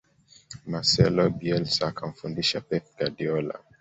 marcelo bielsa akamfundisha pep guardiola